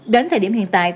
đến thời điểm hiện tại